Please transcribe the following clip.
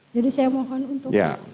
jadi saya mohon untuk